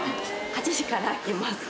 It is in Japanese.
８時から開きます。